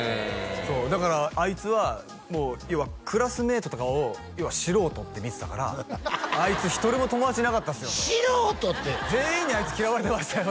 そうだからあいつはもう要はクラスメイトとかを素人って見てたからあいつ一人も友達いなかったっすよと素人って全員にあいつ嫌われてましたよ